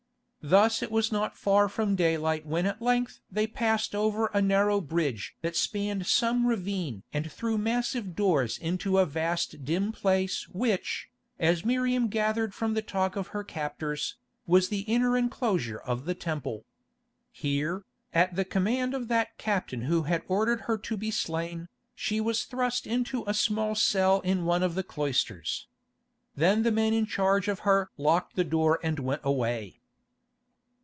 Thus it was not far from daylight when at length they passed over a narrow bridge that spanned some ravine and through massive doors into a vast dim place which, as Miriam gathered from the talk of her captors, was the inner enclosure of the Temple. Here, at the command of that captain who had ordered her to be slain, she was thrust into a small cell in one of the cloisters. Then the men in charge of her locked the door and went away.